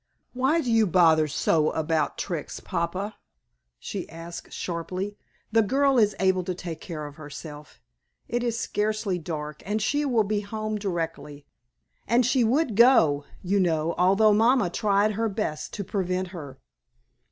"Why do you bother so about Trix, papa?" she asked, sharply. "The girl is able to take care of herself. It is scarcely dark, and she will be home directly. And she would go, you know, although mamma tried her best to prevent her."